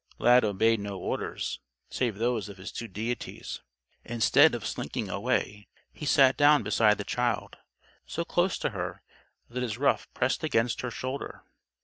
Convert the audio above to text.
Lad obeyed no orders, save those of his two deities. Instead of slinking away, he sat down beside the child; so close to her that his ruff pressed against her shoulder.